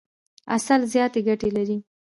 عسل زیاتي ګټي لري.